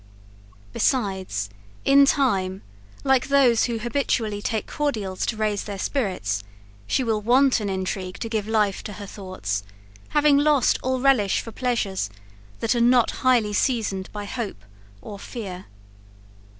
Besides, in time, like those people who habitually take cordials to raise their spirits, she will want an intrigue to give life to her thoughts, having lost all relish for pleasures that are not highly seasoned by hope or fear.